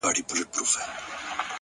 هوډ د نامعلومو لارو زړورتیا ده!.